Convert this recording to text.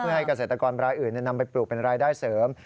ให้เกษตรกรรายอื่นนำไปปลูกเป็นรายได้เสริม